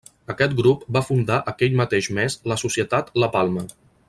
Aquest grup va fundar aquell mateix mes la Societat La Palma.